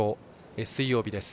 水曜日です。